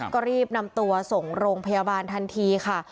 ก็รีบนำตัวส่งโรงพยาบาลทันทีค่ะ